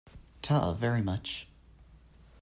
Ta very much.